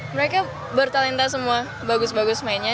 mereka bertalenta semua bagus bagus mainnya